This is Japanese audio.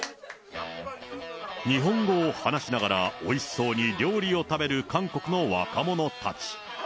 日本語を話しながら、おいしそうに料理を食べる韓国の若者たち。